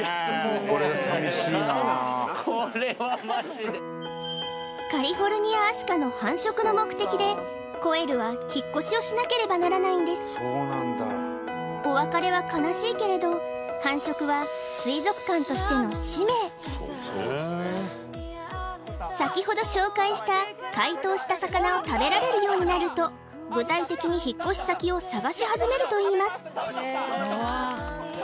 これはマジでカリフォルニアアシカの繁殖の目的でコエルは引っ越しをしなければならないんですお別れは悲しいけれど先ほど紹介した解凍した魚を食べられるようになると具体的に引っ越し先を探し始めるといいます